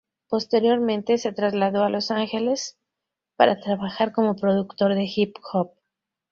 Posteriormente, se trasladó a Los Ángeles para trabajar como productor de hip-hop.